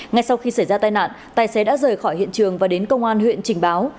ngay sau khi xảy ra tai nạn tài xế đã rời khỏi hiện trường và đến công an huyện trình báo